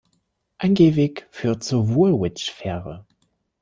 Ein Gehweg führt zur Woolwich-Fähre.